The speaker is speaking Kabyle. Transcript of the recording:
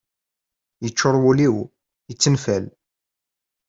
Yeččur wul-iw, yettenfal